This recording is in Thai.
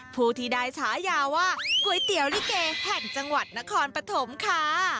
ผู้ที่ได้ฉายาว่าก๋วยเตี๋ยวลิเกแห่งจังหวัดนครปฐมค่ะ